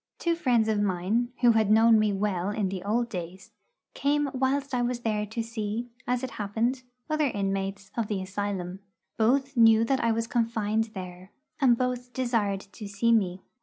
Two friends of mine, who had known me well in old days, came whilst I was there to see, as it happened, other inmates of the asylum. Both knew that I was confined there, and both desired to see me.